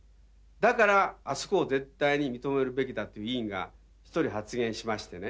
だからあそこを絶対に認めるべきだという委員が１人発言しましてね。